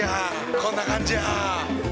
こんな感じやー。